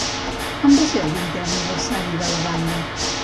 Quan va ser el vintè aniversari de la banda?